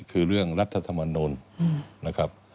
คือเรื่องรัฐธรรมนูลนะครับ